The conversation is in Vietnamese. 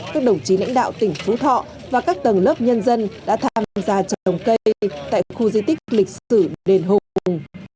các đồng chí lãnh đạo tỉnh phú thọ và các tầng lớp nhân dân đã tham gia trồng cây tại khu di tích lịch sử đền hùng